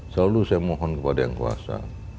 selalu saya mohon kepada yang kuasa